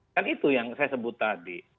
kan itu yang saya sebut tadi